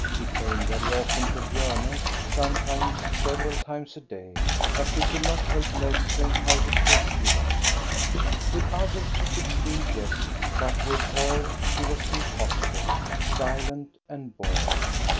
He came very often to Bjorne, sometimes several times a day, but she could not help noticing low depressed he was. With others he could still 36o THE STORY OF GOSTA BE RUNG jesty but with her he was impossible, silent and bored.